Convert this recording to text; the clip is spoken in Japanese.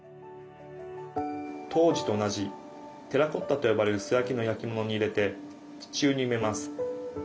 当時と同じテラコッタと呼ばれる素焼きの焼き物に入れて地中に埋めます。